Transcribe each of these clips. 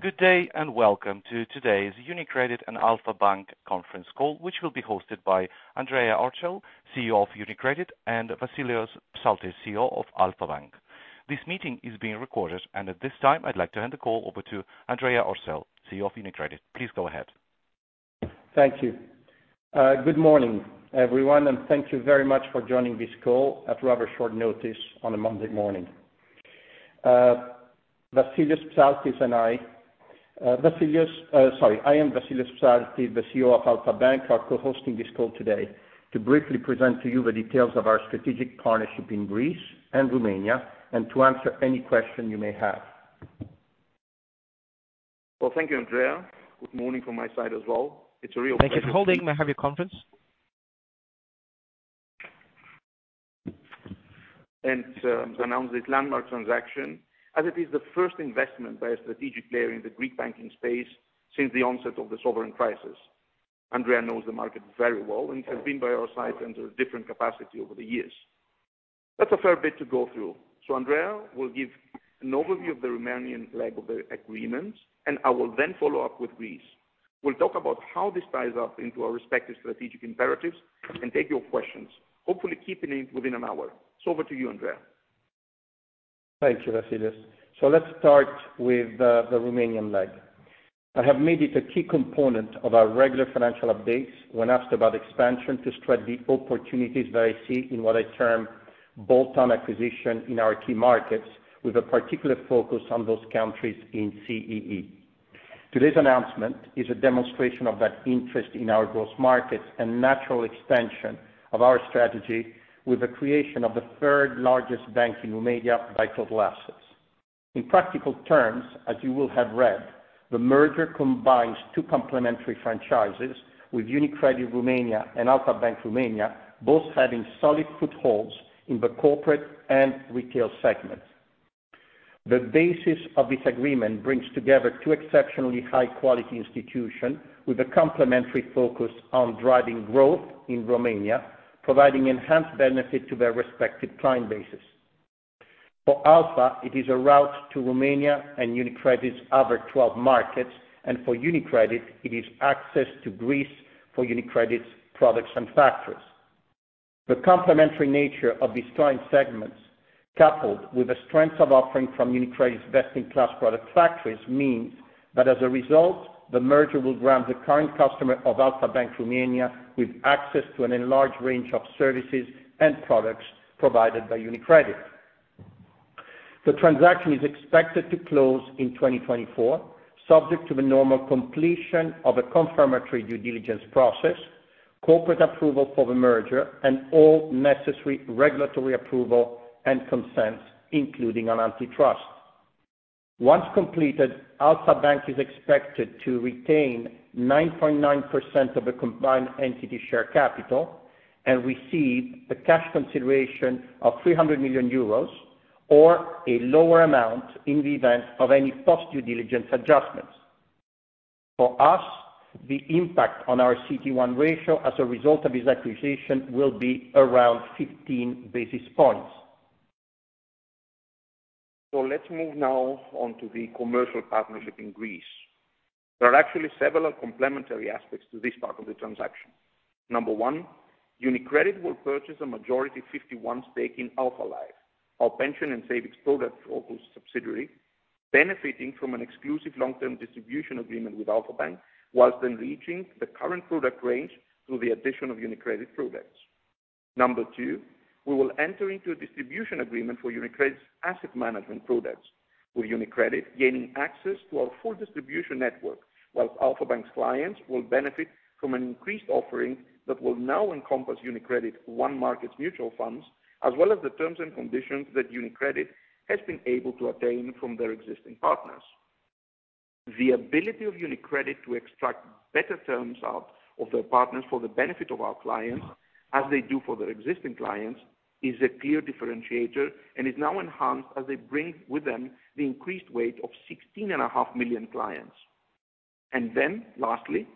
Good day, and welcome to today's UniCredit and Alpha Bank conference call, which will be hosted by Andrea Orcel, CEO of UniCredit, and Vassilios Psaltis, CEO of Alpha Bank. This meeting is being recorded, and at this time, I'd like to hand the call over to Andrea Orcel, CEO of UniCredit. Please go ahead. Thank you. Good morning, everyone, and thank you very much for joining this call at rather short notice on a Monday morning. Vassilios Psaltis and I, Vassilios, sorry. I and Vassilios Psaltis, the CEO of Alpha Bank, are co-hosting this call today to briefly present to you the details of our strategic partnership in Greece and Romania, and to answer any question you may have. Well, thank you, Andrea. Good morning from my side as well. It's a real pleasure to announce this landmark transaction, as it is the first investment by a strategic player in the Greek banking space since the onset of the sovereign crisis. Andrea knows the market very well and has been by our side under a different capacity over the years. That's a fair bit to go through, so Andrea will give an overview of the Romanian leg of the agreement, and I will then follow up with Greece. We'll talk about how this ties up into our respective strategic imperatives and take your questions, hopefully keeping it within an hour. So over to you, Andrea. Thank you, Vassilios. Let's start with the Romanian leg. I have made it a key component of our regular financial updates when asked about expansion to stress the opportunities that I see in what I term bolt-on acquisition in our key markets, with a particular focus on those countries in CEE. Today's announcement is a demonstration of that interest in our growth markets and natural expansion of our strategy with the creation of the third largest bank in Romania by total assets. In practical terms, as you will have read, the merger combines two complementary franchises with UniCredit Romania and Alpha Bank Romania, both having solid footholds in the corporate and retail segments. The basis of this agreement brings together two exceptionally high quality institutions with a complementary focus on driving growth in Romania, providing enhanced benefit to their respective client bases. For Alpha, it is a route to Romania and UniCredit's other 12 markets, and for UniCredit, it is access to Greece for UniCredit's products and factories. The complementary nature of these client segments, coupled with the strength of offering from UniCredit's best-in-class product factories, means that as a result, the merger will grant the current customer of Alpha Bank Romania with access to an enlarged range of services and products provided by UniCredit. The transaction is expected to close in 2024, subject to the normal completion of a confirmatory due diligence process, corporate approval for the merger, and all necessary regulatory approval and consents, including on antitrust. Once completed, Alpha Bank is expected to retain 9.9% of the combined entity share capital and receive a cash consideration of 300 million euros, or a lower amount in the event of any post-due diligence adjustments. For us, the impact on our CET1 ratio as a result of this acquisition will be around 15 basis points. So let's move now on to the commercial partnership in Greece. There are actually several complementary aspects to this part of the transaction. Number one, UniCredit will purchase a majority 51 stake in Alpha Life, our pension and savings product subsidiary, benefiting from an exclusive long-term distribution agreement with Alpha Bank, while enriching the current product range through the addition of UniCredit products. Number two, we will enter into a distribution agreement for UniCredit's asset management products, with UniCredit gaining access to our full distribution network, while Alpha Bank's clients will benefit from an increased offering that will now encompass UniCredit onemarkets mutual funds, as well as the terms and conditions that UniCredit has been able to attain from their existing partners. The ability of UniCredit to extract better terms out of their partners for the benefit of our clients, as they do for their existing clients, is a clear differentiator and is now enhanced as they bring with them the increased weight of 16.5 million clients. And then lastly,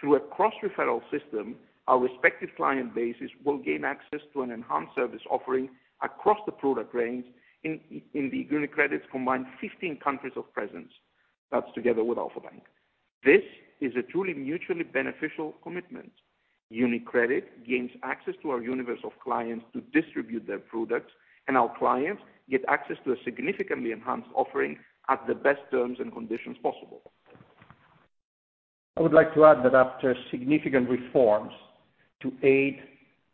through a cross-referral system, our respective client bases will gain access to an enhanced service offering across the product range in the UniCredit's combined 15 countries of presence. That's together with Alpha Bank. This is a truly mutually beneficial commitment. UniCredit gains access to our universe of clients to distribute their products, and our clients get access to a significantly enhanced offering at the best terms and conditions possible. I would like to add that after significant reforms to aid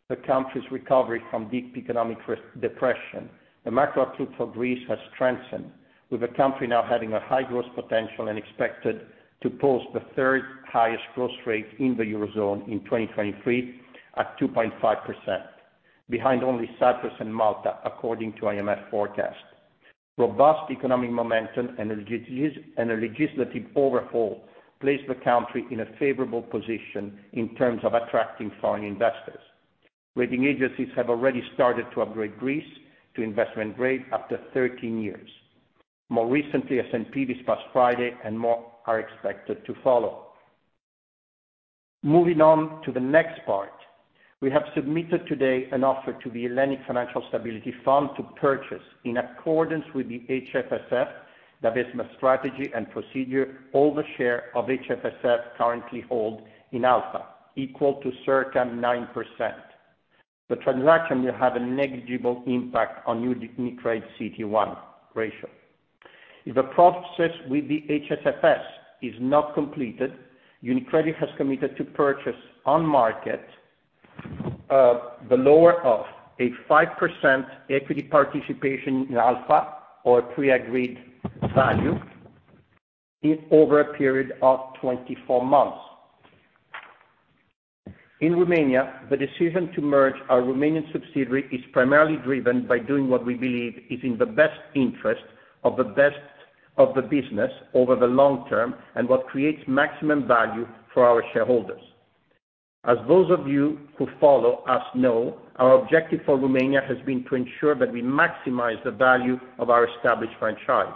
the country's recovery from deep economic recession, the macro outlook for Greece has strengthened, with the country now having a high growth potential and expected to post the third highest growth rate in the Eurozone in 2023, at 2.5%, behind only Cyprus and Malta, according to IMF forecast. Robust economic momentum and a legislative overhaul placed the country in a favorable position in terms of attracting foreign investors. Rating agencies have already started to upgrade Greece to investment grade after 13 years. More recently, S&P this past Friday, and more are expected to follow. Moving on to the next part, we have submitted today an offer to the Hellenic Financial Stability Fund to purchase, in accordance with the HFSF, the investment strategy and procedure, all the share of HFSF currently hold in Alpha, equal to circa 9%. The transaction will have a negligible impact on UniCredit CET1 ratio. If the process with the HFSF is not completed, UniCredit has committed to purchase on market, the lower of a 5% equity participation in Alpha or pre-agreed value, if over a period of 24 months. In Romania, the decision to merge our Romanian subsidiary is primarily driven by doing what we believe is in the best interest of the best of the business over the long term, and what creates maximum value for our shareholders. As those of you who follow us know, our objective for Romania has been to ensure that we maximize the value of our established franchise.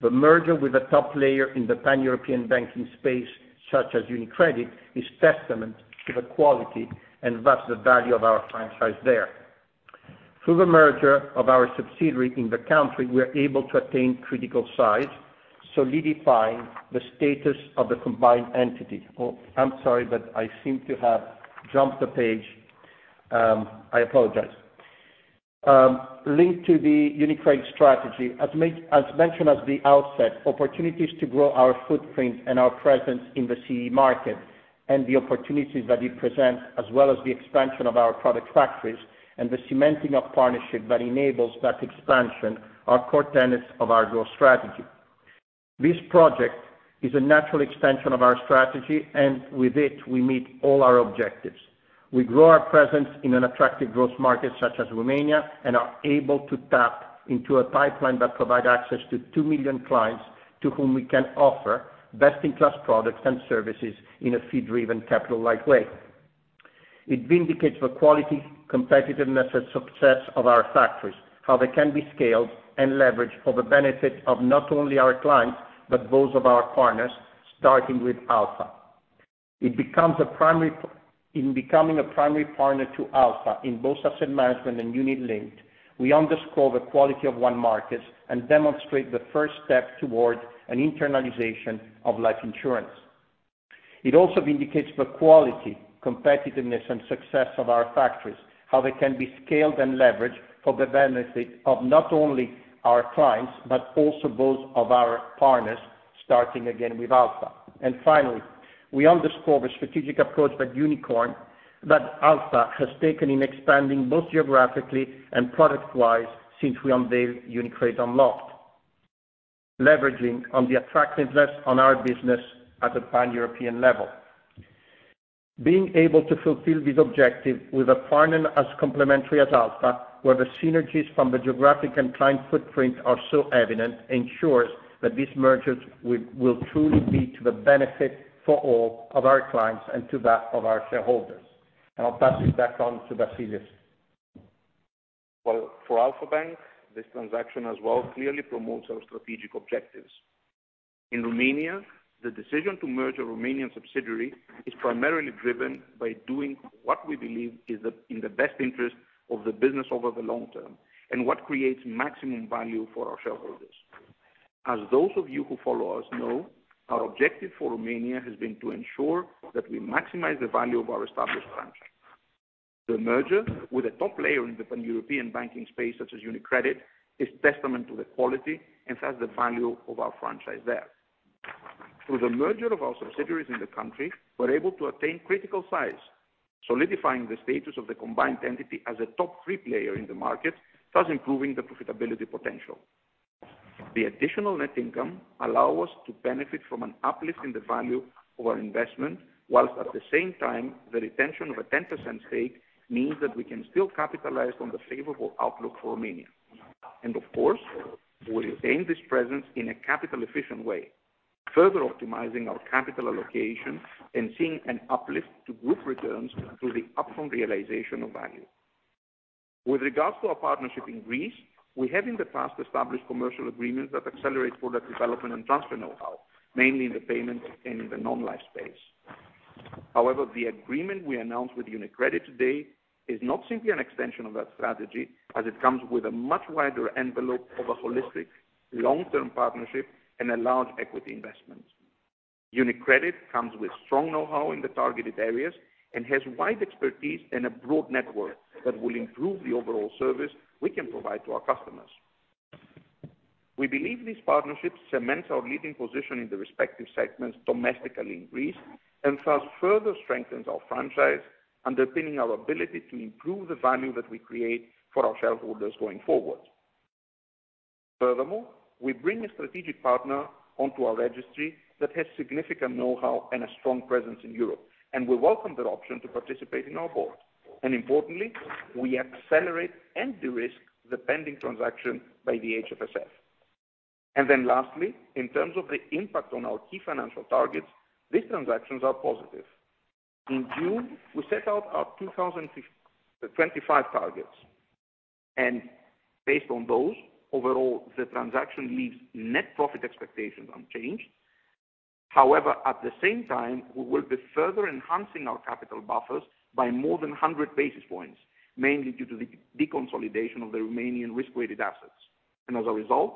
The merger with a top player in the pan-European banking space, such as UniCredit, is testament to the quality and thus the value of our franchise there. Through the merger of our subsidiary in the country, we are able to attain critical size, solidifying the status of the combined entity. Oh, I'm sorry, but I seem to have jumped the page. I apologize. Linked to the UniCredit strategy, as mentioned at the outset, opportunities to grow our footprint and our presence in the CEE market and the opportunities that it presents, as well as the expansion of our product factories and the cementing of partnership that enables that expansion, are core tenets of our growth strategy. This project is a natural extension of our strategy, and with it, we meet all our objectives. We grow our presence in an attractive growth market such as Romania, and are able to tap into a pipeline that provide access to two million clients, to whom we can offer best-in-class products and services in a fee-driven, capital-light way. It vindicates the quality, competitiveness, and success of our factories, how they can be scaled and leveraged for the benefit of not only our clients, but those of our partners, starting with Alpha. In becoming a primary partner to Alpha in both asset management and unit-linked, we underscore the quality of onemarkets and demonstrate the first step towards an internalization of life insurance. It also indicates the quality, competitiveness, and success of our factories, how they can be scaled and leveraged for the benefit of not only our clients, but also those of our partners, starting again with Alpha. And finally, we underscore the strategic approach that UniCredit, that Alpha has taken in expanding both geographically and product-wise since we unveiled UniCredit Unlocked, leveraging on the attractiveness on our business at a pan-European level. Being able to fulfill this objective with a partner as complementary as Alpha, where the synergies from the geographic and client footprint are so evident, ensures that these mergers will truly be to the benefit for all of our clients and to that of our shareholders. And I'll pass it back on to Vassilios. Well, for Alpha Bank, this transaction as well clearly promotes our strategic objectives. In Romania, the decision to merge a Romanian subsidiary is primarily driven by doing what we believe is in the best interest of the business over the long term, and what creates maximum value for our shareholders. As those of you who follow us know, our objective for Romania has been to ensure that we maximize the value of our established franchise. The merger with a top player in the pan-European banking space, such as UniCredit, is testament to the quality and thus the value of our franchise there. Through the merger of our subsidiaries in the country, we're able to attain critical size, solidifying the status of the combined entity as a top three player in the market, thus improving the profitability potential. The additional net income allow us to benefit from an uplift in the value of our investment, while at the same time, the retention of a 10% stake means that we can still capitalize on the favorable outlook for Romania. And of course, we retain this presence in a capital-efficient way, further optimizing our capital allocation and seeing an uplift to group returns through the upfront realization of value. With regards to our partnership in Greece, we have in the past established commercial agreements that accelerate product development and transfer know-how, mainly in the payments and in the non-life space. However, the agreement we announced with UniCredit today is not simply an extension of that strategy, as it comes with a much wider envelope of a holistic, long-term partnership and a large equity investment. UniCredit comes with strong know-how in the targeted areas and has wide expertise and a broad network that will improve the overall service we can provide to our customers. We believe this partnership cements our leading position in the respective segments domestically in Greece, and thus further strengthens our franchise, underpinning our ability to improve the value that we create for our shareholders going forward. Furthermore, we bring a strategic partner onto our registry that has significant know-how and a strong presence in Europe, and we welcome that option to participate in our board. And importantly, we accelerate and de-risk the pending transaction by the HFSF. And then lastly, in terms of the impact on our key financial targets, these transactions are positive. In June, we set out our 2025 targets.... Based on those, overall, the transaction leaves net profit expectations unchanged. However, at the same time, we will be further enhancing our capital buffers by more than 100 basis points, mainly due to the deconsolidation of the Romanian risk-weighted assets. As a result,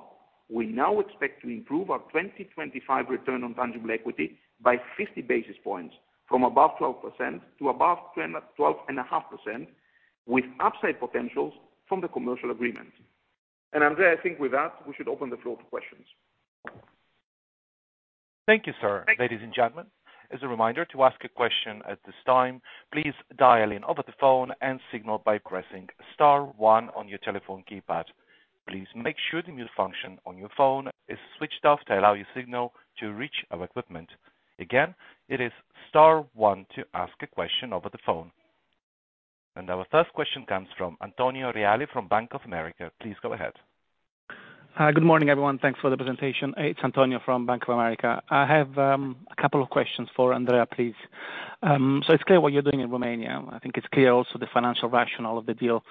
we now expect to improve our 2025 return on tangible equity by 50 basis points, from above 12% to above 12.5%, with upside potentials from the commercial agreement. Andrea, I think with that, we should open the floor to questions. Thank you, sir. Ladies and gentlemen, as a reminder, to ask a question at this time, please dial in over the phone and signal by pressing star one on your telephone keypad. Please make sure the mute function on your phone is switched off to allow your signal to reach our equipment. Again, it is star one to ask a question over the phone. Our first question comes from Antonio Reale from Bank of America. Please go ahead. Good morning, everyone. Thanks for the presentation. It's Antonio from Bank of America. I have a couple of questions for Andrea, please. So it's clear what you're doing in Romania. I think it's clear also the financial rationale of the deal.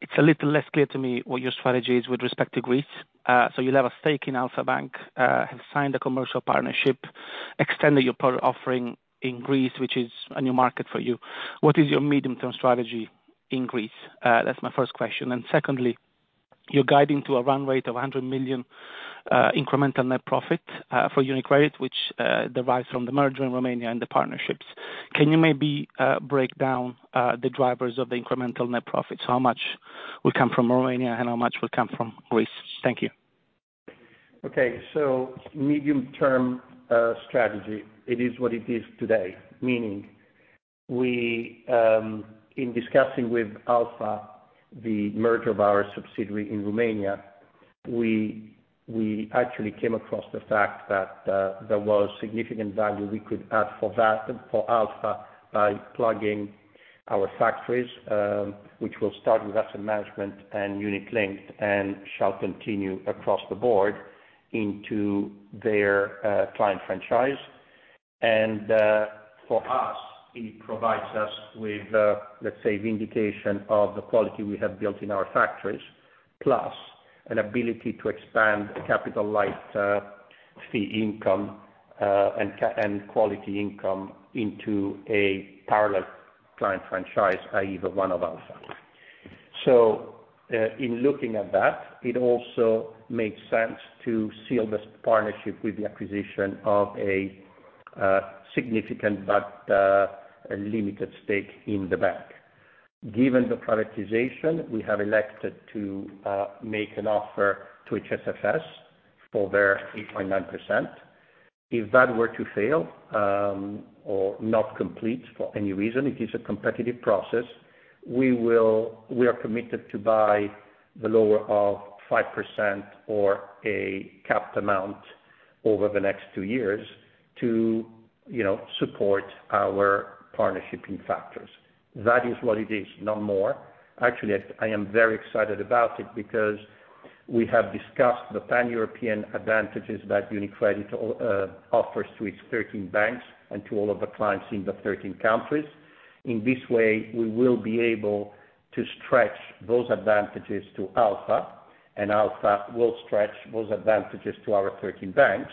It's a little less clear to me what your strategy is with respect to Greece. So you'll have a stake in Alpha Bank, have signed a commercial partnership, extended your product offering in Greece, which is a new market for you. What is your medium-term strategy in Greece? That's my first question. And secondly, you're guiding to a run rate of 100 million incremental net profit for UniCredit, which derives from the merger in Romania and the partnerships. Can you maybe break down the drivers of the incremental net profit? So how much will come from Romania and how much will come from Greece? Thank you. Okay. So medium-term strategy, it is what it is today. Meaning we, in discussing with Alpha, the merger of our subsidiary in Romania, we actually came across the fact that there was significant value we could add for Alpha by plugging our factories, which will start with asset management and unit-linked, and shall continue across the board into their client franchise. And for us, it provides us with, let's say, vindication of the quality we have built in our factories, plus an ability to expand capital-light fee income and quality income into a parallel client franchise, i.e., the one of Alpha. So in looking at that, it also makes sense to seal this partnership with the acquisition of a significant but a limited stake in the bank. Given the privatization, we have elected to make an offer to HFSF for their 8.9%. If that were to fail, or not complete for any reason, it is a competitive process, we are committed to buy the lower of 5% or a capped amount over the next two years to, you know, support our partnership in factors. That is what it is, no more. Actually, I am very excited about it because we have discussed the Pan-European advantages that UniCredit offers to its 13 banks and to all of the clients in the 13 countries. In this way, we will be able to stretch those advantages to Alpha, and Alpha will stretch those advantages to our 13 banks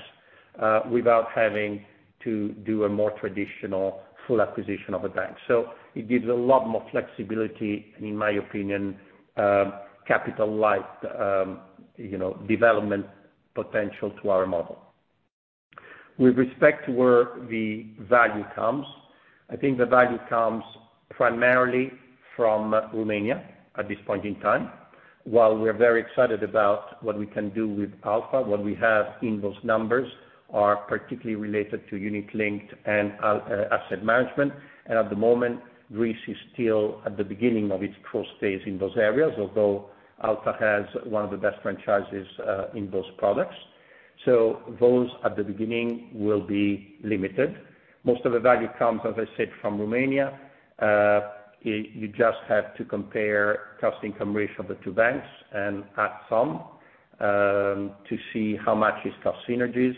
without having to do a more traditional full acquisition of a bank. So it gives a lot more flexibility, in my opinion, capital light, you know, development potential to our model. With respect to where the value comes, I think the value comes primarily from Romania at this point in time. While we're very excited about what we can do with Alpha, what we have in those numbers are particularly related to unit-linked and Allianz Asset Management. And at the moment, Greece is still at the beginning of its growth phase in those areas, although Alpha has one of the best franchises in those products. So those at the beginning will be limited. Most of the value comes, as I said, from Romania. You just have to compare cost-income ratio of the two banks and add some to see how much is cost synergies.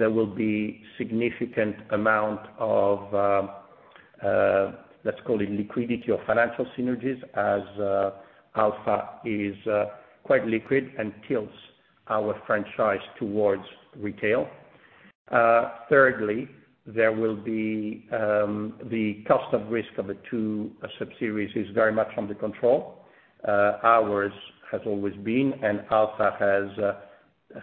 There will be significant amount of, let's call it liquidity or financial synergies, as, Alpha is, quite liquid and tilts our franchise towards retail. Thirdly, there will be, the cost of risk of the two subsidiaries is very much under control. Ours has always been, and Alpha has,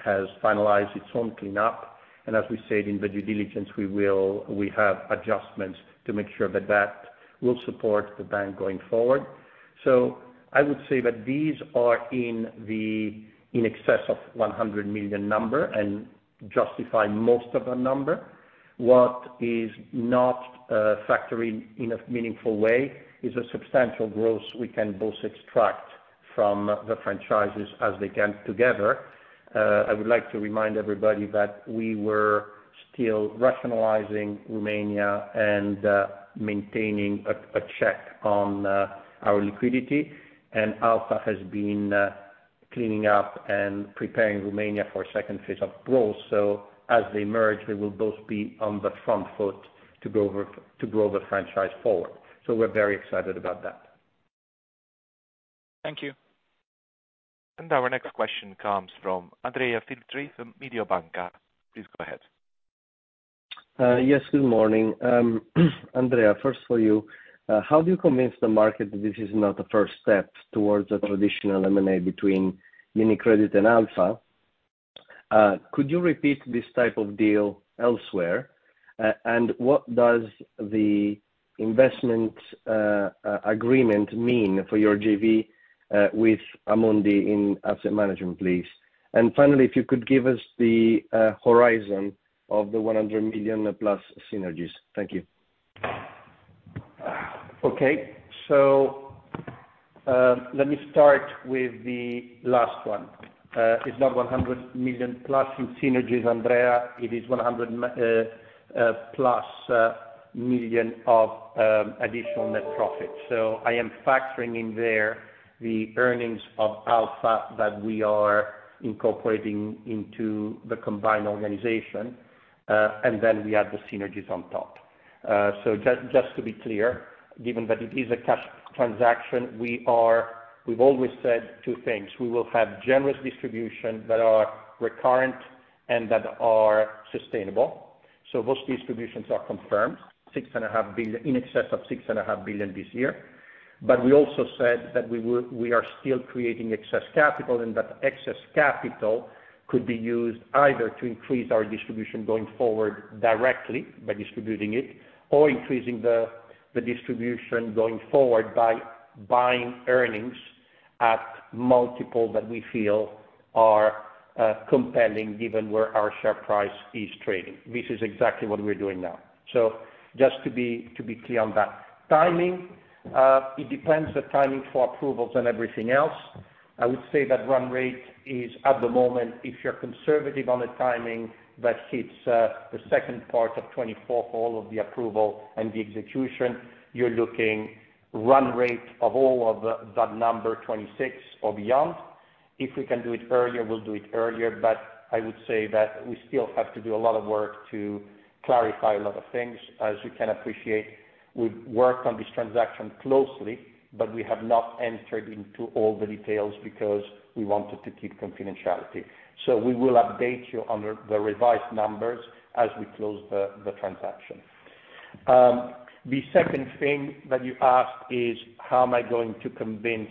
has finalized its own cleanup. And as we said in the due diligence, we have adjustments to make sure that that will support the bank going forward. So I would say that these are in the, in excess of 100 million number and justify most of our number. What is not, factoring in a meaningful way is a substantial growth we can both extract from the franchises as they can together. I would like to remind everybody that we were still rationalizing Romania and maintaining a check on our liquidity, and Alpha has been cleaning up and preparing Romania for a second phase of growth. So as they merge, they will both be on the front foot to go over, to grow the franchise forward. So we're very excited about that. Thank you. Our next question comes from Andrea Filtri from Mediobanca. Please go ahead. Yes, good morning. Andrea, first for you. How do you convince the market that this is not the first step towards a traditional M&A between UniCredit and Alpha? Could you repeat this type of deal elsewhere? And what does the investment agreement mean for your JV with Amundi in asset management, please? And finally, if you could give us the horizon of the 100 million-plus synergies. Thank you. Okay. So, let me start with the last one. It's not 100 million+ in synergies, Andrea, it is 100+ million of additional net profit. So I am factoring in there the earnings of Alpha that we are incorporating into the combined organization, and then we add the synergies on top. So just, just to be clear, given that it is a cash transaction, we are. We've always said two things. We will have generous distribution that are recurrent and that are sustainable. So those distributions are confirmed, 6.5 billion, in excess of 6.5 billion this year. But we also said that we will, we are still creating excess capital, and that excess capital could be used either to increase our distribution going forward directly by distributing it or increasing the, the distribution going forward by buying earnings at multiple that we feel are compelling given where our share price is trading. This is exactly what we're doing now. So just to be, to be clear on that. Timing, it depends, the timing for approvals and everything else. I would say that run rate is, at the moment, if you're conservative on the timing, that hits the second part of 2024, all of the approval and the execution, you're looking run rate of all of the, that number, 2026 or beyond. If we can do it earlier, we'll do it earlier, but I would say that we still have to do a lot of work to clarify a lot of things. As you can appreciate, we've worked on this transaction closely, but we have not entered into all the details because we wanted to keep confidentiality. So we will update you on the revised numbers as we close the transaction. The second thing that you asked is, how am I going to convince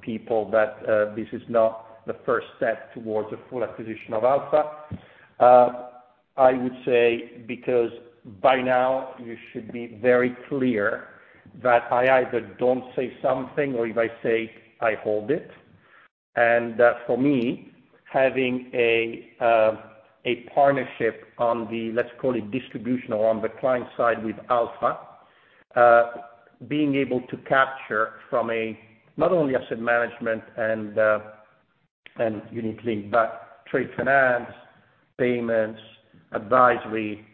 people that this is not the first step towards a full acquisition of Alpha? I would say because by now you should be very clear that I either don't say something, or if I say, I hold it. And that for me, having a partnership on the, let's call it distribution or on the client side with Alpha, being able to capture from not only asset management and unit-linked, but trade finance, payments, advisory,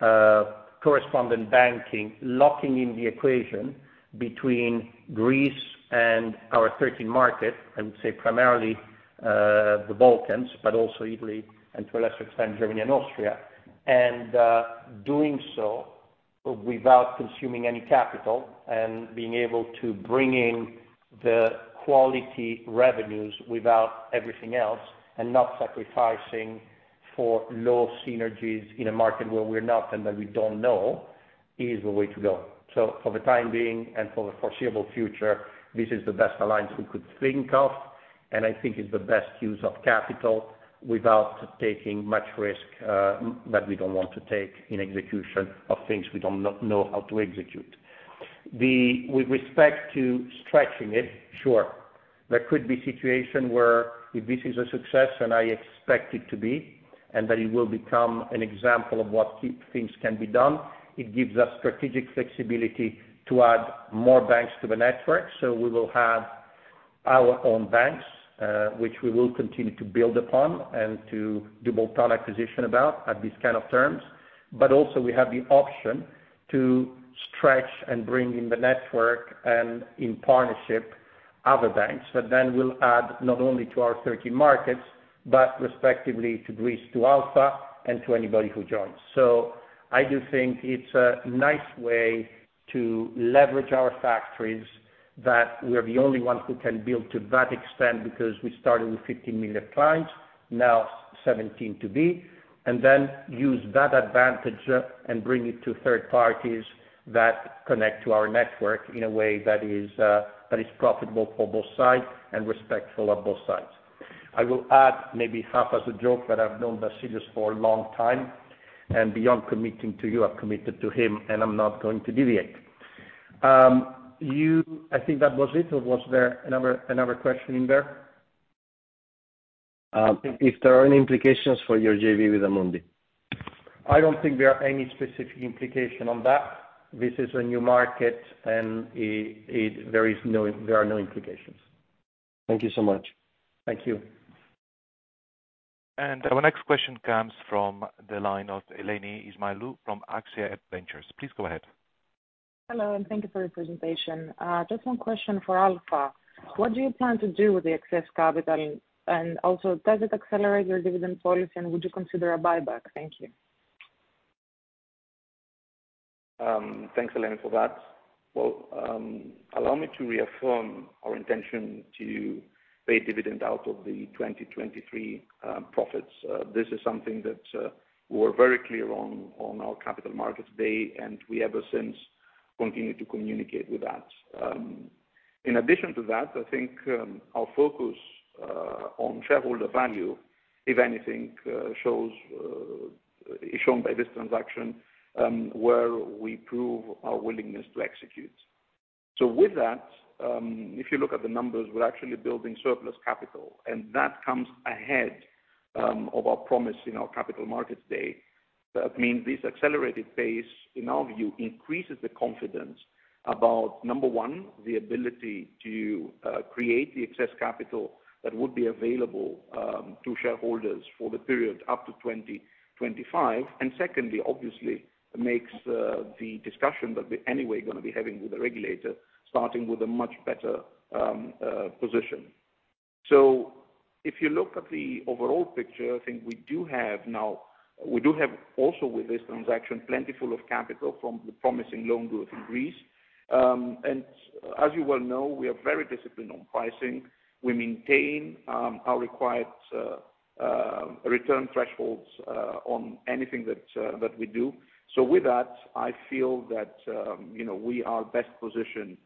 correspondent banking, locking in the equation between Greece and our 13 markets, I would say primarily the Balkans, but also Italy, and to a lesser extent, Germany and Austria. And doing so without consuming any capital and being able to bring in the quality revenues without everything else, and not sacrificing for low synergies in a market where we're not and that we don't know, is the way to go. So for the time being, and for the foreseeable future, this is the best alliance we could think of, and I think it's the best use of capital without taking much risk that we don't want to take in execution of things we do not know how to execute. With respect to stretching it, sure, there could be situation where if this is a success, and I expect it to be, and that it will become an example of what key things can be done, it gives us strategic flexibility to add more banks to the network. So we will have our own banks, which we will continue to build upon and to do more acquisition about at these kind of terms. But also we have the option to stretch and bring in the network and in partnership, other banks, that then will add not only to our 13 markets, but respectively to Greece, to Alpha, and to anybody who joins. So I do think it's a nice way to leverage our factories, that we are the only ones who can build to that extent, because we started with 15 million clients, now 17 to be, and then use that advantage and bring it to third parties that connect to our network in a way that is, that is profitable for both sides and respectful of both sides. I will add, maybe half as a joke, that I've known Vassilios for a long time, and beyond committing to you, I've committed to him, and I'm not going to deviate. You, I think that was it, or was there another question in there? If there are any implications for your JV with Amundi? I don't think there are any specific implication on that. This is a new market, and there are no implications. Thank you so much. Thank you. ... Our next question comes from the line of Eleni Ismailou from Axia Ventures Group. Please go ahead. Hello, and thank you for your presentation. Just one question for Alpha: What do you plan to do with the excess capital, and also does it accelerate your dividend policy, and would you consider a buyback? Thank you. Thanks, Eleni, for that. Well, allow me to reaffirm our intention to pay dividend out of the 2023 profits. This is something that, we're very clear on, on our Capital Markets Day, and we ever since continued to communicate with that. In addition to that, I think, our focus on shareholder value, if anything, shows, is shown by this transaction, where we prove our willingness to execute. So with that, if you look at the numbers, we're actually building surplus capital, and that comes ahead of our promise in our Capital Markets Day. That means this accelerated pace, in our view, increases the confidence about, number one, the ability to create the excess capital that would be available to shareholders for the period up to 2025. Secondly, obviously, makes the discussion that we're anyway gonna be having with the regulator, starting with a much better position. So if you look at the overall picture, I think we do have now, we do have also with this transaction, plentiful of capital from the promising loan growth in Greece. As you well know, we are very disciplined on pricing. We maintain our required return thresholds on anything that we do. So with that, I feel that, you know, we are best positioned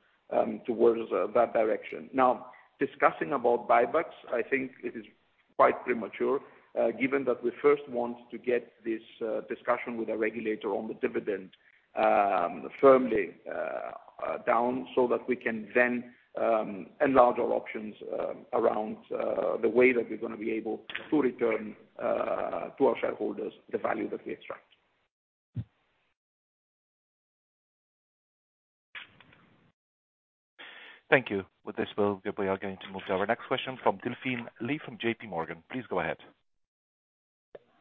towards that direction. Now, discussing about buybacks, I think it is quite premature, given that we first want to get this discussion with the regulator on the dividend firmly down, so that we can then enlarge our options around the way that we're gonna be able to return to our shareholders, the value that we extract. Thank you. With this, well, we are going to move to our next question from Delphine Lee from J.P. Morgan. Please go ahead.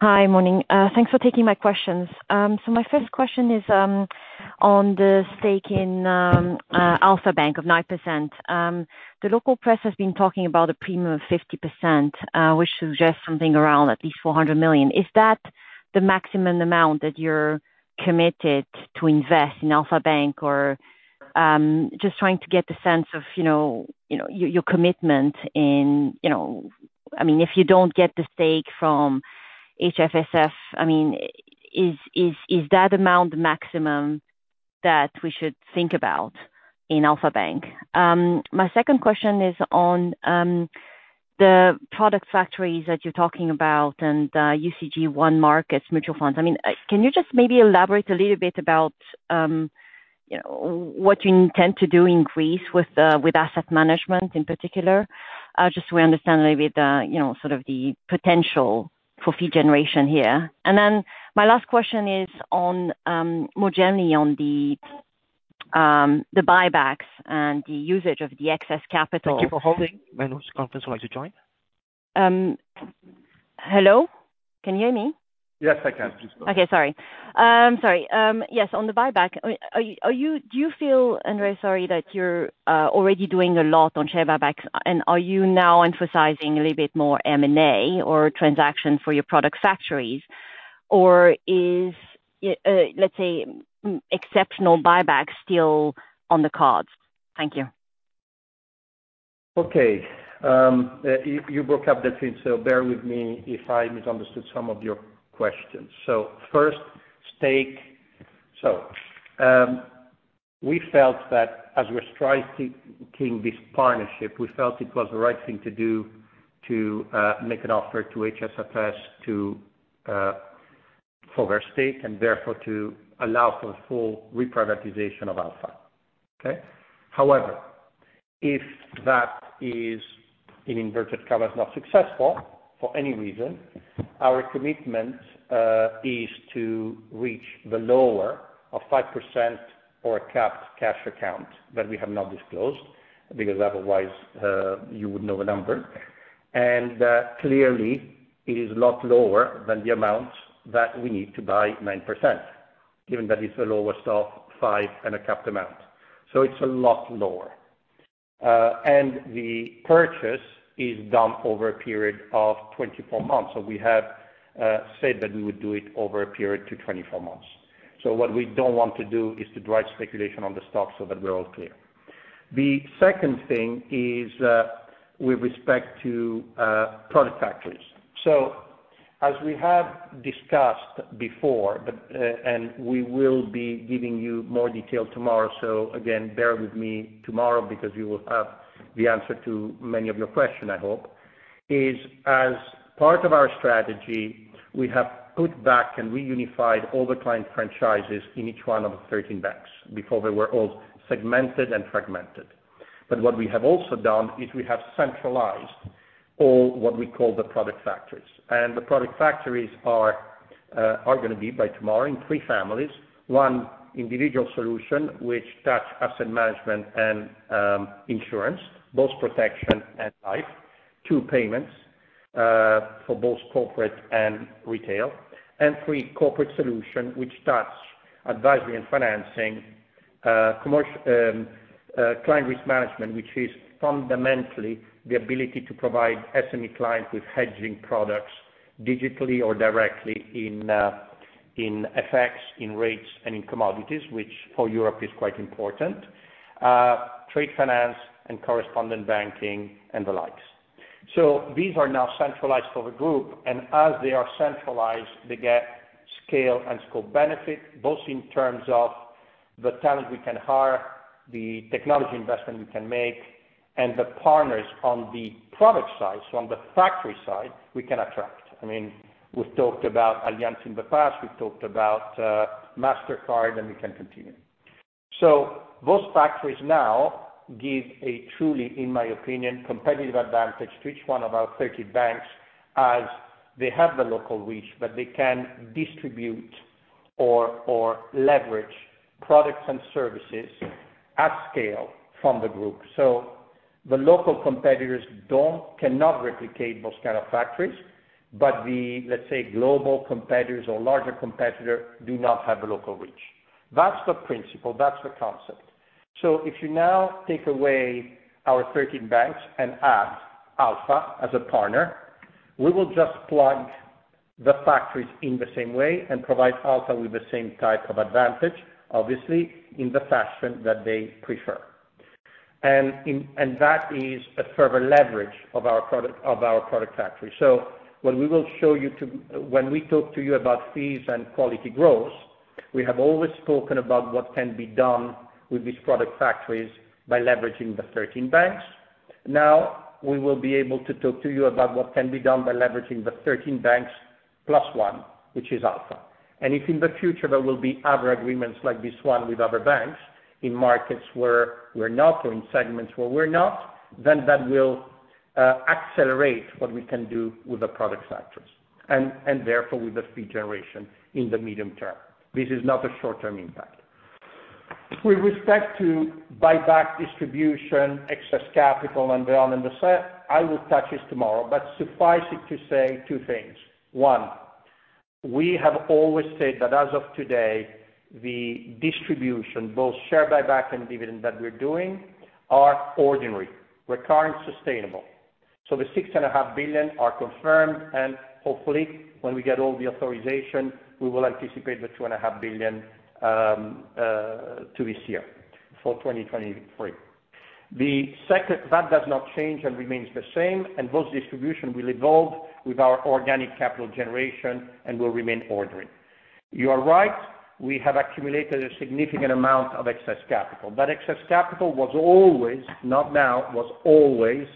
Hi, morning. Thanks for taking my questions. My first question is on the stake in Alpha Bank of 9%. The local press has been talking about a premium of 50%, which suggests something around at least 400 million. Is that the maximum amount that you're committed to invest in Alpha Bank? Just trying to get the sense of, you know, your commitment in, you know... I mean, if you don't get the stake from Hellenic Financial Stability Fund, is that amount the maximum that we should think about in Alpha Bank? My second question is on the product factories that you're talking about and UCG onemarkets, mutual funds. I mean, can you just maybe elaborate a little bit about, you know, what you intend to do in Greece with, with asset management in particular? Just so we understand a little bit, you know, sort of the potential for fee generation here. And then my last question is on, more generally on the, the buybacks and the usage of the excess capital Hello? Can you hear me? Yes, I can. Please go. Okay, sorry. Sorry. Yes, on the buyback, are you—do you feel, Andrea, sorry, that you're already doing a lot on share buybacks, and are you now emphasizing a little bit more M&A or transaction for your product factories? Or is, let's say, exceptional buyback still on the cards? Thank you. Okay. You, you broke up the thing, so bear with me if I misunderstood some of your questions. So first, stake. So, we felt that as we're striking this partnership, we felt it was the right thing to do to make an offer to HFSF for their stake, and therefore, to allow for the full reprivatization of Alpha. Okay? However, if that is, in inverted terms, not successful for any reason, our commitment is to reach the lower of 5% or a capped cash amount that we have not disclosed, because otherwise you would know the number. And clearly, it is a lot lower than the amount that we need to buy 9%, given that it's a lower stake, 5% and a capped amount. So it's a lot lower. And the purchase is done over a period of 24 months. So we have said that we would do it over a period to 24 months. So what we don't want to do is to drive speculation on the stock so that we're all clear. The second thing is, with respect to, product factories. So as we have discussed before, but, and we will be giving you more detail tomorrow, so again, bear with me tomorrow because you will have the answer to many of your question, I hope, is as part of our strategy, we have put back and reunified all the client franchises in each one of the 13 banks. Before they were all segmented and fragmented. But what we have also done, is we have centralized all what we call the product factories. And the product factories are-... are going to be by tomorrow in three families. One, individual solution, which touches asset management and, insurance, both protection and life. Two, payments, for both corporate and retail. And three, corporate solution, which starts advisory and financing, client risk management, which is fundamentally the ability to provide SME clients with hedging products digitally or directly in, in FX, in rates, and in commodities, which for Europe is quite important. Trade finance and correspondent banking, and the likes. So these are now centralized for the group, and as they are centralized, they get scale and scope benefit, both in terms of the talent we can hire, the technology investment we can make, and the partners on the product side, so on the factory side, we can attract. I mean, we've talked about Allianz in the past, we've talked about Mastercard, and we can continue. So those factories now give a truly, in my opinion, competitive advantage to each one of our 13 banks as they have the local reach, but they can distribute or leverage products and services at scale from the group. So the local competitors cannot replicate those kind of factories, but the, let's say, global competitors or larger competitor do not have the local reach. That's the principle. That's the concept. So if you now take away our 13 banks and add Alpha as a partner, we will just plug the factories in the same way and provide Alpha with the same type of advantage, obviously, in the fashion that they prefer. And that is a further leverage of our product factory. So what we will show you when we talk to you about fees and quality growth, we have always spoken about what can be done with these product factories by leveraging the 13 banks. Now, we will be able to talk to you about what can be done by leveraging the 13 banks plus 1, which is Alpha. And if in the future there will be other agreements like this one with other banks, in markets where we're not, or in segments where we're not, then that will accelerate what we can do with the product factories, and therefore with the fee generation in the medium term. This is not a short-term impact. With respect to buyback distribution, excess capital, and so on, and so on, I will touch this tomorrow, but suffice it to say two things. One, we have always said that as of today, the distribution, both share buyback and dividend that we're doing, are ordinary, recurring, sustainable. So the 6.5 billion are confirmed, and hopefully, when we get all the authorization, we will anticipate the 2.5 billion to this year, for 2023. The second, that does not change and remains the same, and those distribution will evolve with our organic capital generation and will remain ordinary. You are right, we have accumulated a significant amount of excess capital. That excess capital was always, not now, was always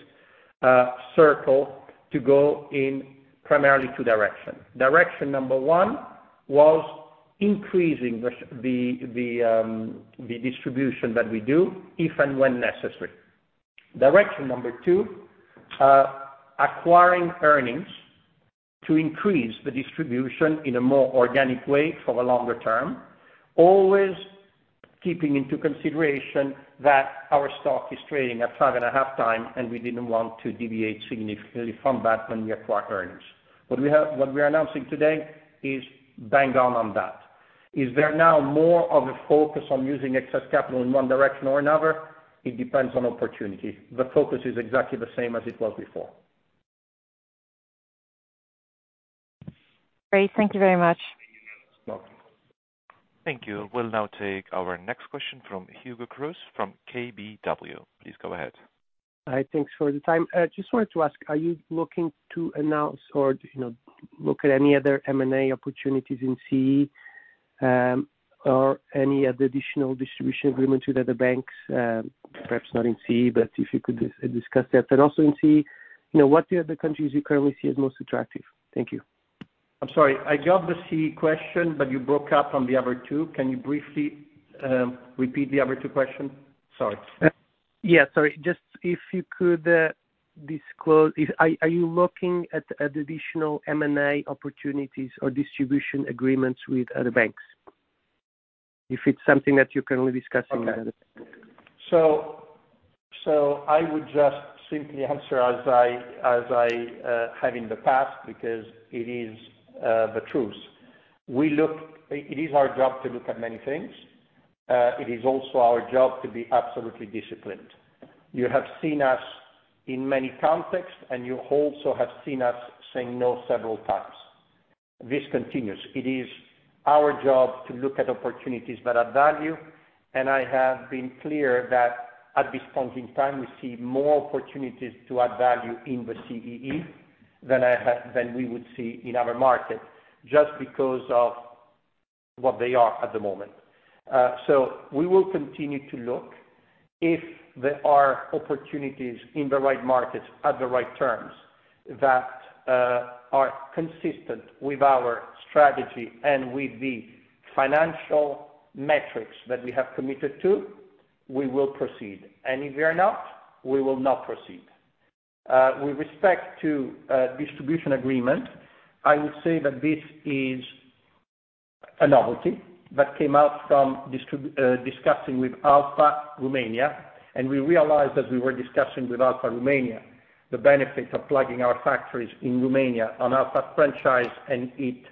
circled to go in primarily two directions. Direction number one, was increasing the distribution that we do, if and when necessary. Direction number two, acquiring earnings to increase the distribution in a more organic way for the longer term, always keeping into consideration that our stock is trading at 5.5x, and we didn't want to deviate significantly from that when we acquire earnings. What we have, what we are announcing today is bang on on that. Is there now more of a focus on using excess capital in one direction or another? It depends on opportunity. The focus is exactly the same as it was before. Great. Thank you very much. Welcome. Thank you. We'll now take our next question from Hugo Cruz, from KBW. Please go ahead. Hi, thanks for the time. Just wanted to ask, are you looking to announce or, you know, look at any other M&A opportunities in CEE, or any other additional distribution agreement with other banks? Perhaps not in CEE, but if you could discuss that. And also in CEE, you know, what are the other countries you currently see as most attractive? Thank you. I'm sorry. I got the CE question, but you broke up on the other two. Can you briefly repeat the other two questions? Sorry. Yeah, sorry. Just if you could disclose if you are looking at additional M&A opportunities or distribution agreements with other banks? If it's something that you're currently discussing. Okay. So I would just simply answer as I have in the past, because it is the truth. We look. It is our job to look at many things. It is also our job to be absolutely disciplined. You have seen us in many contexts, and you also have seen us say no several times. This continues. It is our job to look at opportunities that add value, and I have been clear that at this point in time, we see more opportunities to add value in the CEE than we would see in other markets, just because of what they are at the moment. So we will continue to look. If there are opportunities in the right markets, at the right terms, that are consistent with our strategy and with the financial metrics that we have committed to, we will proceed. And if they are not, we will not proceed. With respect to distribution agreement, I would say that this is a novelty that came out from discussing with Alpha, Romania. And we realized as we were discussing with Alpha, Romania, the benefits of plugging our factories in Romania on Alpha franchise, and it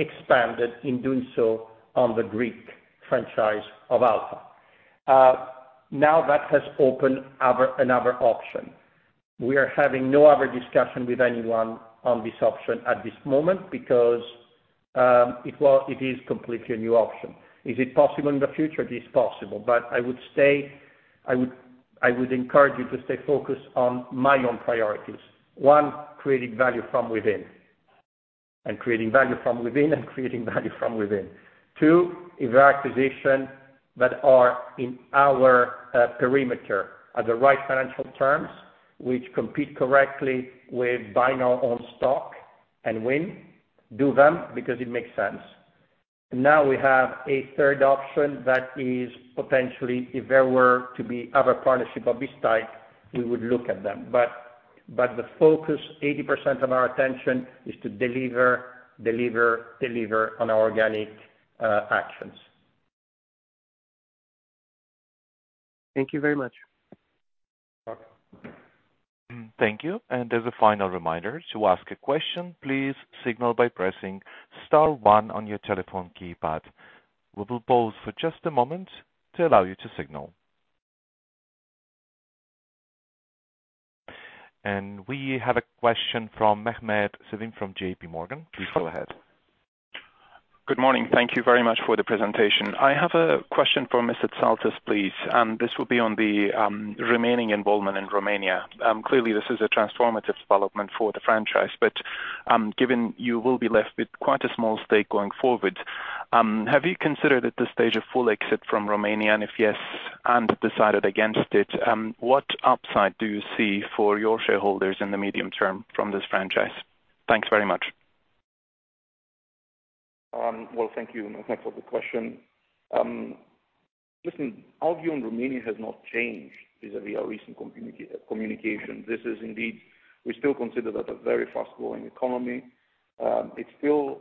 expanded in doing so on the Greek franchise of Alpha. Now that has opened another option. We are having no other discussion with anyone on this option at this moment because it is completely a new option. Is it possible in the future? It is possible, but I would encourage you to stay focused on my own priorities. One, creating value from within, and creating value from within, and creating value from within. Two, if there are acquisition that are in our perimeter, at the right financial terms, which compete correctly with buying our own stock, and win, do them because it makes sense. Now, we have a third option that is potentially, if there were to be other partnership of this type, we would look at them. But the focus, 80% of our attention is to deliver, deliver, deliver on our organic actions. Thank you very much. Thank you, and as a final reminder, to ask a question, please signal by pressing star one on your telephone keypad. We will pause for just a moment to allow you to signal. We have a question from Mehmet Sevim, from J.P. Morgan. Please go ahead. Good morning. Thank you very much for the presentation. I have a question for Mr. Psaltis, please, and this will be on the remaining involvement in Romania. Clearly, this is a transformative development for the franchise, but given you will be left with quite a small stake going forward, have you considered at this stage a full exit from Romania? And if yes, and decided against it, what upside do you see for your shareholders in the medium term from this franchise? Thanks very much. Well, thank you. Thanks for the question. Listen, our view on Romania has not changed vis-à-vis our recent communication. This is indeed. We still consider that a very fast-growing economy. It's still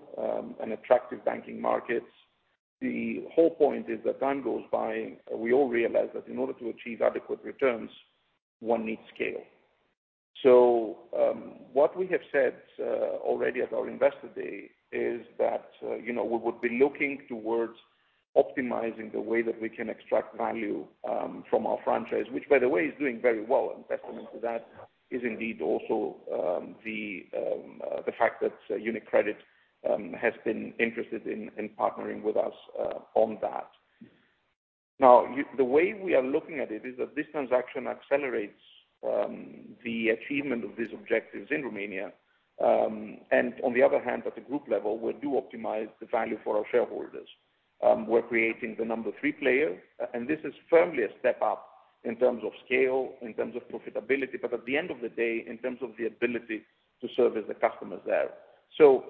an attractive banking market. The whole point is that time goes by, we all realize that in order to achieve adequate returns, one needs scale. So, what we have said already at our investor day is that, you know, we would be looking towards optimizing the way that we can extract value from our franchise. Which, by the way, is doing very well, and testament to that is indeed also the fact that UniCredit has been interested in partnering with us on that. Now, the way we are looking at it, is that this transaction accelerates the achievement of these objectives in Romania. And on the other hand, at the group level, we do optimize the value for our shareholders. We're creating the number three player, and this is firmly a step up in terms of scale, in terms of profitability, but at the end of the day, in terms of the ability to service the customers there. So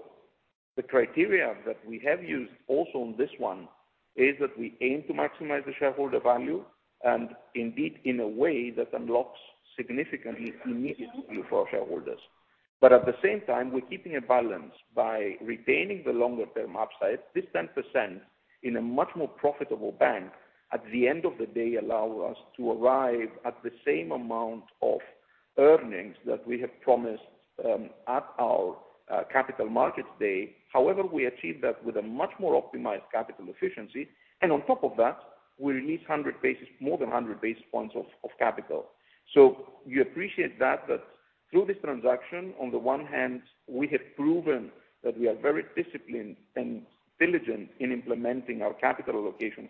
the criteria that we have used also on this one, is that we aim to maximize the shareholder value, and indeed, in a way that unlocks significantly, immediately for our shareholders. But at the same time, we're keeping a balance by retaining the longer term upside. This 10% in a much more profitable bank, at the end of the day, allow us to arrive at the same amount of earnings that we have promised at our Capital Markets Day. However, we achieve that with a much more optimized capital efficiency, and on top of that, we release 100 basis points, more than 100 basis points of capital. So you appreciate that through this transaction, on the one hand, we have proven that we are very disciplined and diligent in implementing our capital allocation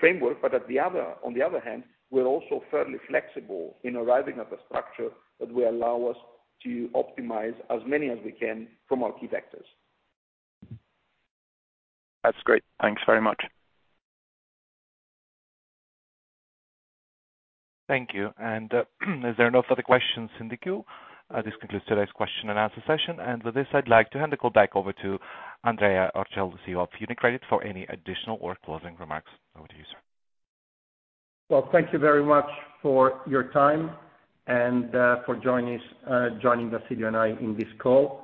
framework. But on the other hand, we're also fairly flexible in arriving at the structure that will allow us to optimize as many as we can from our key vectors. That's great. Thanks very much. Thank you. And, as there are no further questions in the queue, this concludes today's question and answer session. And with this, I'd like to hand the call back over to Andrea Orcel, the CEO of UniCredit, for any additional or closing remarks. Over to you, sir. Well, thank you very much for your time and for joining us, Vassilios and I in this call.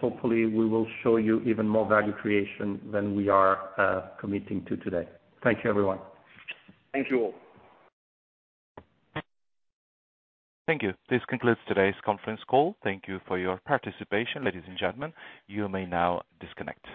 Hopefully, we will show you even more value creation than we are committing to today. Thank you, everyone. Thank you all. Thank you. This concludes today's conference call. Thank you for your participation, ladies and gentlemen. You may now disconnect.